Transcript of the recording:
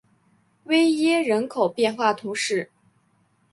韦耶人口变化图示